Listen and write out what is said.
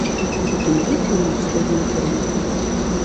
У тым ліку, і на ўсходнім кірунку.